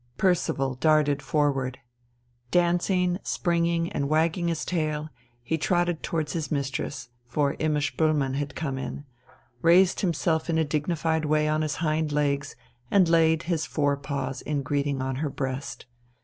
Percival darted forward. Dancing, springing, and wagging his tail he trotted towards his mistress for Imma Spoelmann had come in raised himself in a dignified way on his hind legs and laid his fore paws in greeting on her breast.